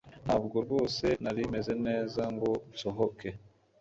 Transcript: Ntabwo rwose nari meze neza ngo nsohoke